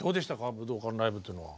武道館ライブっていうのは？